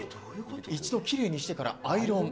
一度綺麗にしてからアイロン。